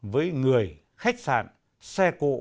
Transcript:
với người khách sạn xe cộ